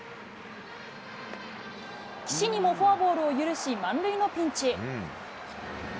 岸にもフォアボールを許し、満塁のピンチ。